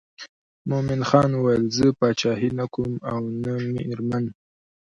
مومن خان ویل زه پاچهي نه کوم او نه مېرمن.